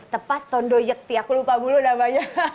tepas tondoyekty aku lupa dulu namanya